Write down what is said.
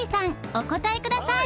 お答えください